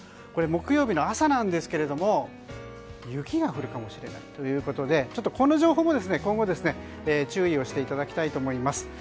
これ、木曜日の朝なんですが雪が降るかもしれないということでこの情報も今後、注意をしていただきたいと思います。